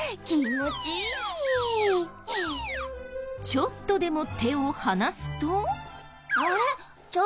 ちょっとでも手を離すと。